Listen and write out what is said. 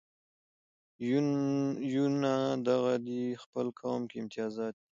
یونه دغه دې خپل قوم کې امتیازات دي.